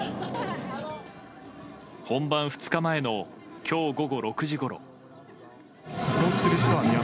本番２日前に今日午後６時ごろ。